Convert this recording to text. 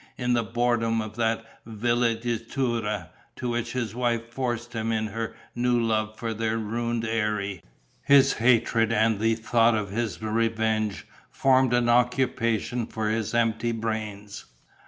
In the boredom of that villeggiatura, to which his wife forced him in her new love for their ruined eyrie, his hatred and the thought of his revenge formed an occupation for his empty brains.